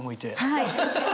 はい。